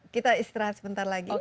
kita istirahat sebentar lagi